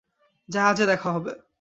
জাহাজে দেখা হবে।